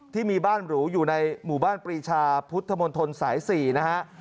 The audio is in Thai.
ที่มีบ้านหรูอยู่ในหมู่บ้านปรีชาพุทธมนตรสาย๔นะฮะ